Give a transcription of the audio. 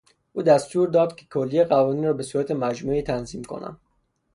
او دستور داد که کلیهی قوانین را به صورت مجموعهای تنظیم کنند.